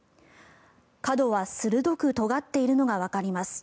角は鋭くとがっているのがわかります。